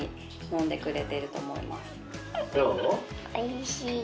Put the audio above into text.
・おいしい？